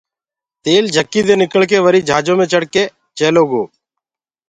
تيل جھڪيٚ دي نڪݪڪي وريٚ جھاجو مي چڙه ڪي چيلو گو